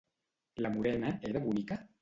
La morena era bonica?